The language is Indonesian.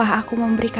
kalau kamu berdaya